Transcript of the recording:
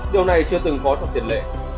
điều này chưa từng có trong tiền lệ